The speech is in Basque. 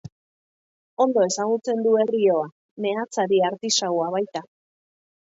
Ondo ezagutzen du errioa, meatzari artisaua baita.